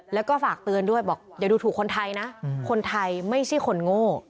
แล้วก็ฝากเตือนด้วยบอกเดี๋ยวดูถูกคนไทยนะคนไทยไม่ใช่คนโง่